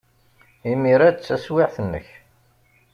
Imir-a d taswiɛt-nnek.